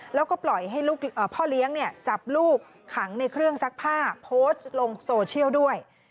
แล้วก็ปล่อยให้พ่อเลี้ยงจับลูกขังในเครื่องซักผ้าโพสต์ลงโซเชียลด้วย